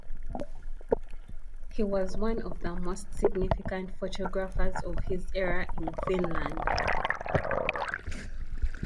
He was one of the most significant photographers of his era in Finland.